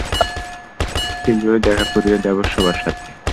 শীঘ্রই দেখা করিয়ে দেবো সবার সাথে।